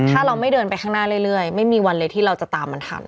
ถ้าเราไม่เดินไปข้างหน้าเรื่อยไม่มีวันเลยที่เราจะตามมันทัน